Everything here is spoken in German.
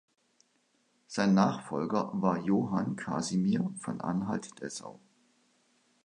Sein Nachfolger war Johann Kasimir von Anhalt-Dessau.